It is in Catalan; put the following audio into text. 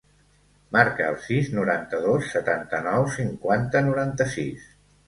Marca el sis, noranta-dos, setanta-nou, cinquanta, noranta-sis.